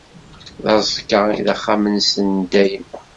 D aẓekka i d axxam-nsen n dayem.